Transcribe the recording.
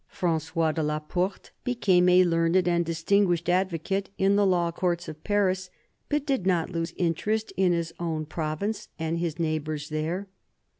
Frangois de la Porte became a learned and distinguished advocate in the law courts of Paris, but did not lose interest in his own province and his neighbours there.